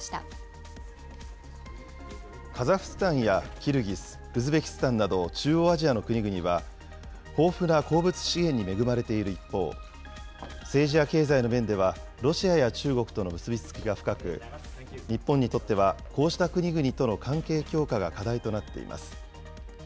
カザフスタンやキルギス、ウズベキスタンなど中央アジアの国々は、豊富な鉱物資源に恵まれている一方、政治や経済の面ではロシアや中国との結び付きが深く、日本にとってはこうした国々との関係強化が課題となっています。